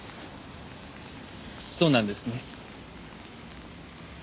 そうなんですね。